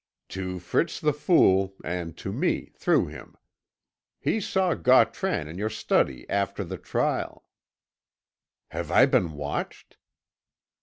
"To Fritz the Fool, and to me, through him. He saw Gautran in your study after the trial " "Have I been watched?"